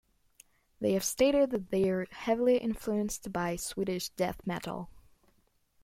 They have stated that they're heavily influenced by Swedish death metal.